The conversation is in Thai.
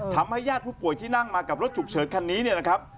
ญาติผู้ป่วยที่นั่งมากับรถฉุกเฉินคันนี้เนี่ยนะครับ